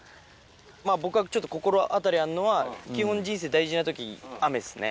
まあ、僕がちょっと心当たりあるのは、基本、人生、大事なときに雨っすね。